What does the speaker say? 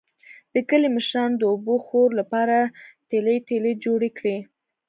د کلي مشرانو د اوبهخور لپاره ټلۍ ټلۍ جوړې کړې.